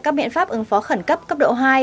các biện pháp ứng phó khẩn cấp cấp độ hai